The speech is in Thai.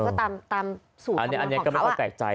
ก็ตามสูตรคำนวณของเขา